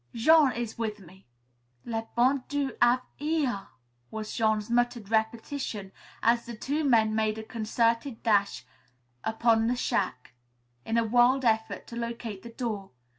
Jean is with me." "Le bon Dieu hav' hear," was Jean's muttered repetition, as the two men made a concerted dash upon the shack, in a wild effort to locate the door.